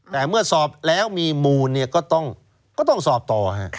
แต่เมื่อสอบแล้วมีมูลเนี่ยก็ต้องสอบต่อ